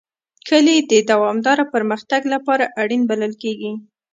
کلي د دوامداره پرمختګ لپاره اړین بلل کېږي.